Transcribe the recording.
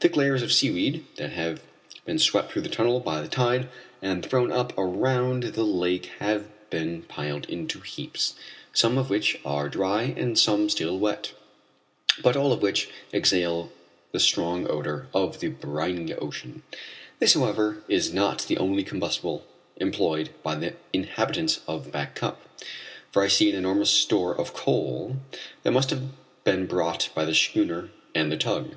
Thick layers of seaweed that have been swept through the tunnel by the tide and thrown up around the lake have been piled into heaps, some of which are dry and some still wet, but all of which exhale the strong odor of the briny ocean. This, however, is not the only combustible employed by the inhabitants of Back Cup, for I see an enormous store of coal that must have been brought by the schooner and the tug.